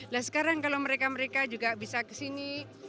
nah sekarang kalau mereka mereka juga bisa ke sini